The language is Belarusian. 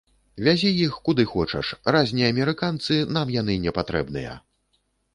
Вязі іх куды хочаш, раз не амерыканцы, нам яны не патрэбныя.